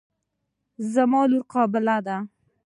زما لور قابله ده.